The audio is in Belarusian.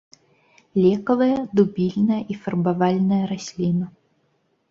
Лекавая, дубільная і фарбавальная расліна.